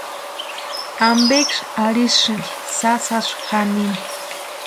¿Ampeksï arhisïnki sasasï janini?